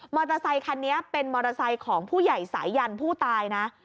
อเตอร์ไซคันนี้เป็นมอเตอร์ไซค์ของผู้ใหญ่สายันผู้ตายนะ